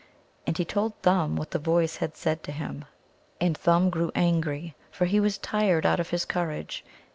And he told Thumb what the voice had said to him. And Thumb grew angry, for he was tired out of his courage.